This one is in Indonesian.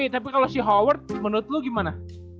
tapi kalo si howard menurut lu gimana